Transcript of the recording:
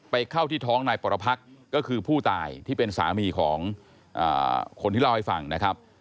เข้าที่ท้องนายปรพักษ์ก็คือผู้ตายที่เป็นสามีของคนที่เล่าให้ฟังนะครับ